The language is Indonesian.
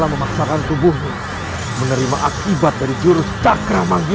lebih baik aku menunda pertarungan ini